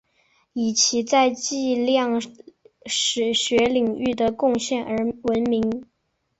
以其在计量史学领域的贡献而闻名。